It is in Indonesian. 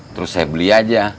terus saya beli aja